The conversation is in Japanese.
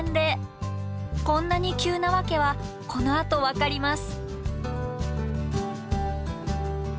こんなに急な訳はこのあと分かります。